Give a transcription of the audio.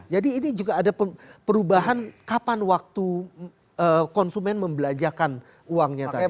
jadi ini juga ada perubahan kapan waktu konsumen membelanjakan uangnya tadi